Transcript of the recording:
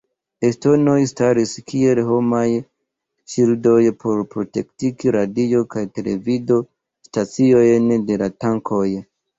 Estonoj staris kiel homaj ŝildoj por protekti radio- kaj televido-staciojn de la tankoj.